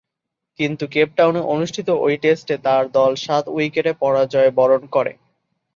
কিন্তু কেপটাউনে অনুষ্ঠিত ঐ টেস্টে তার দল সাত উইকেটে পরাজয়বরণ করে।